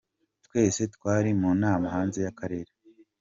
Twese twari mu nama hanze y’akarere.